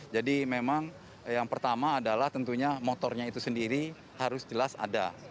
jadi memang yang pertama adalah tentunya motornya itu sendiri harus jelas ada